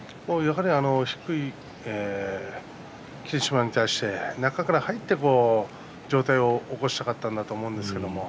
低い霧島に対して中から入って上体を起こしたかったんだと思うんですね。